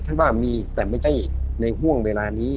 ท่านว่ามีแต่ไม่ใช่ในห่วงเวลานี้